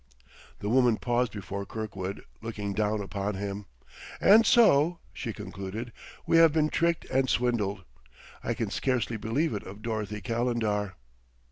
The woman paused before Kirkwood, looking down upon him. "And so," she concluded, "we have been tricked and swindled. I can scarcely believe it of Dorothy Calendar."